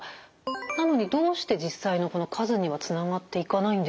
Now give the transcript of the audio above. なのにどうして実際の数にはつながっていかないんでしょうか？